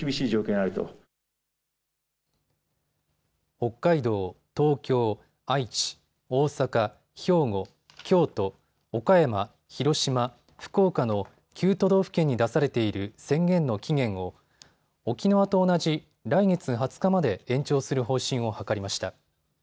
北海道、東京、愛知、大阪、兵庫、京都、岡山、広島、福岡の９都道府県に出されている宣言の期限を沖縄と同じ来月２０日まで延長する方針を諮りました。